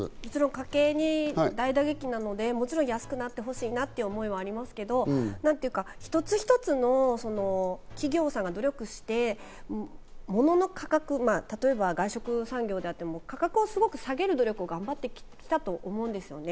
家計に大打撃なので、もちろん安くなってほしいという思いはありますけど、一つ一つの企業さんが努力して、物の価格、例えば外食産業だと価格をすごく下げる努力を頑張ってきたと思うんですよね。